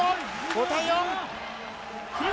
５対４。